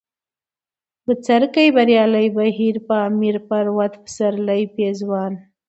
بڅرکى ، بريالی ، بهير ، پامير ، پروټ ، پسرلی ، پېزوان